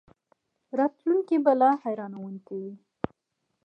راتلونکی به لا حیرانوونکی وي.